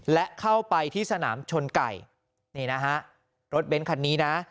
และเข้าไปที่สนามชนไก่นี่นะฮะรถเบ้นคันนี้นะ